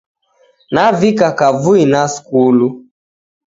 Navika kavui na skulu